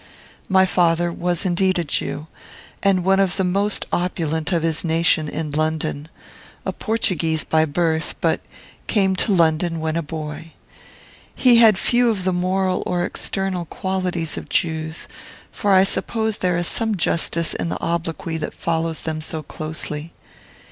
"My father was indeed a Jew, and one of the most opulent of his nation in London, a Portuguese by birth, but came to London when a boy. He had few of the moral or external qualities of Jews; for I suppose there is some justice in the obloquy that follows them so closely.